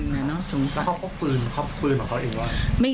แล้วเขาพกปืนเขาพกปืนหรือเขาเองว่ะ